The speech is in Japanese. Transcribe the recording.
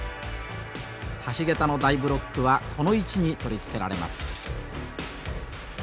橋桁の大ブロックはこの位置に取り付けられます。